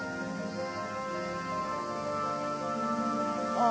ああ。